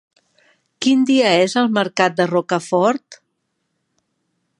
Quin dia és el mercat de Rocafort?